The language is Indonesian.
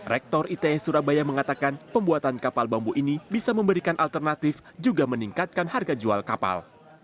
rektor ite surabaya mengatakan pembuatan kapal bambu ini bisa memberikan alternatif juga meningkatkan harga jual kapal